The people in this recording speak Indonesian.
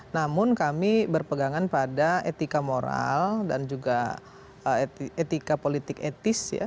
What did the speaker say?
namun kami berpegangan pada etika moral dan juga etika politik etis ya